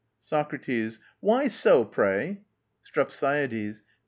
SOCRATES. Why so? STREPSIADES.